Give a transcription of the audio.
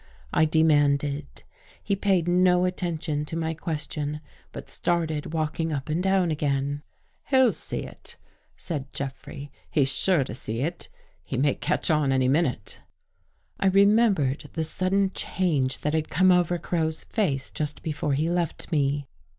I demanded. He paid no attention to my question, but started walking up and down again. 196 DOCTOR CROW FORGETS " He'll see it," said Jeffrey. " He's sure to see it. He may catch on any minute." I remembered the sudden change that had come over Crow's face just before he left me.